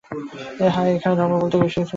হায়, এখানে ধর্ম বলতে তার বেশী কিছু বুঝায় না।